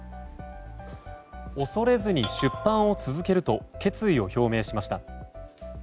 恐れずに出版を続けると決意を表明しました。